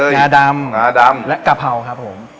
หน้าดำและกะเพราครับผม